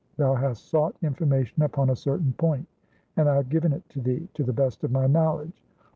Thou hast sought information upon a certain point, and I have given it to thee, to the best of my knowledge.